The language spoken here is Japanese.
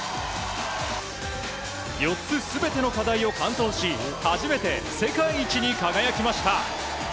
４つすべての課題を完登し初めて世界一に輝きました。